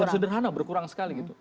sudah sederhana berkurang sekali